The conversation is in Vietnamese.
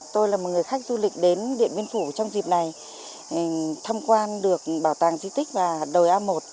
tôi là một người khách du lịch đến điện biên phủ trong dịp này tham quan được bảo tàng di tích đồi a một